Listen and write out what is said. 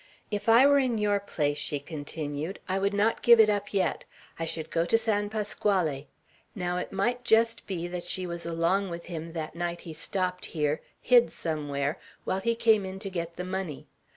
If I were in your place," she continued, "I would not give it up yet. I should go to San Pasquale. Now it might just be that she was along with him that night he stopped here, hid somewhere, while he came in to get the money.